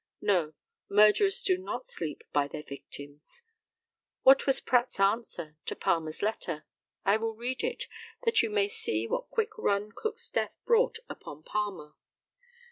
No; murderers do not sleep by their victims. What was Pratt's answer to Palmer's letter? I will read it, that you may see what quick ruin Cook's death brought upon Palmer.